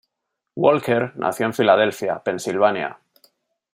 Walker nació en Filadelfia, Pensilvania.